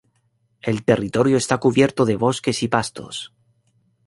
El territorio está cubierto de bosques y pastos.